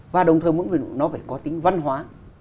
và đồng thời nó phải có tính văn hóa